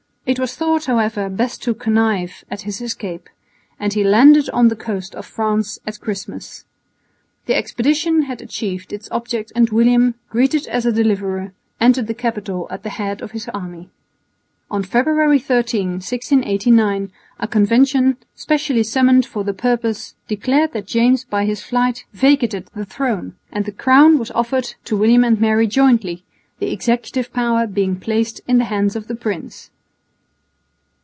It was thought, however, best to connive at his escape, and he landed on the coast of France at Christmas. The expedition had achieved its object and William, greeted as a deliverer, entered the capital at the head of his army. On February 13,1689, a convention, specially summoned for the purpose, declared that James by his flight had vacated the throne; and the crown was offered to William and Mary jointly, the executive power being placed in the hands of the prince.